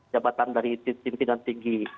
jabatan dari timpindan tinggi